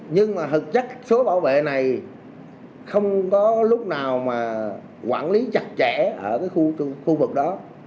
nhưng mà thực chất số bảo vệ này không có lúc nào mà quản lý chặt chẽ ở khu vực đó